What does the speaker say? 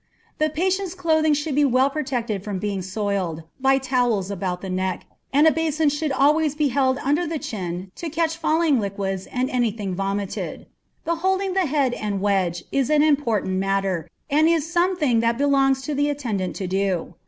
The patient's clothing should be well protected from being soiled, by towels about the neck, and a basin should always be held under the chin to catch falling liquids and any thing vomited. The holding the head and wedge is an important matter, and is some thing that belongs to the attendant to do.